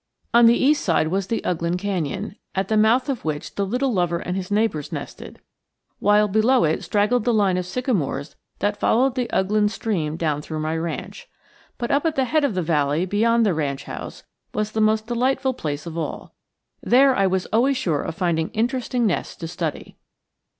On the east side was the Ughland canyon, at the mouth of which the little lover and his neighbors nested; while below it straggled the line of sycamores that followed the Ughland stream down through my ranch. But up at the head of the valley beyond the ranch house was the most delightful place of all. There I was always sure of finding interesting nests to study.